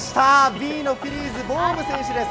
Ｂのフィリーズ、ボーム選手です。